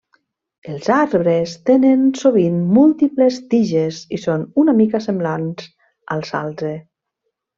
Els arbres tenen sovint múltiples tiges i són una mica semblants al salze.